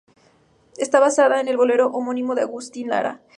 Está basada en el bolero homónimo de Agustín Lara.